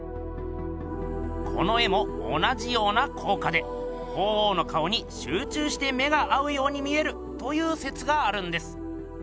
この絵も同じような効果で鳳凰の顔にしゅう中して目が合うように見えるという説があるんです。